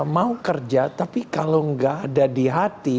mau kerja tapi kalau nggak ada di hati